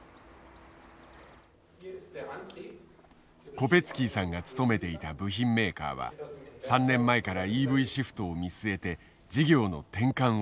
コペツキーさんが勤めていた部品メーカーは３年前からＥＶシフトを見据えて事業の転換を始めていた。